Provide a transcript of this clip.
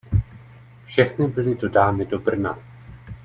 Všechny byly dodány do Brna.